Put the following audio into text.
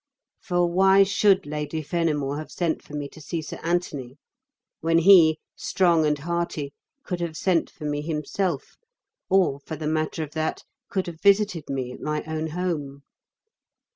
For why should Lady Fenimore have sent for me to see Sir Anthony, when he, strong and hearty, could have sent for me himself, or, for the matter of that, could have visited me at my own home?